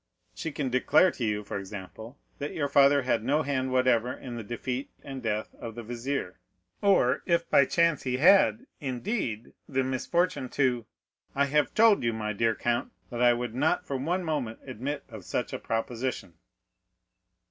"She can declare to you, for example, that your father had no hand whatever in the defeat and death of the vizier; or if by chance he had, indeed, the misfortune to——" "I have told you, my dear count, that I would not for one moment admit of such a proposition."